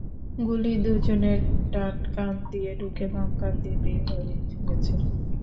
গুলি দুজনের ডান কান দিয়ে ঢুকে বাম কান দিয়ে বের হয়ে গেছে।